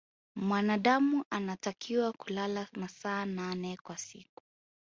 mwanadamu anatakiwa kulala masaa nane kwa siku